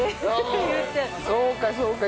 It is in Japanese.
そうかそうか。